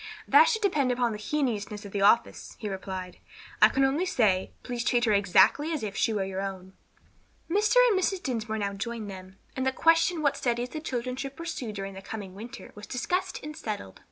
"That should depend upon the heinousness of the offence," he replied. "I can only say, please treat her exactly as if she were your own." Mr. and Mrs. Dinsmore now joined them, and the question what studies the children should pursue during the coming winter was discussed and settled.